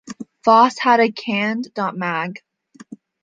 Foss has a cand.mag.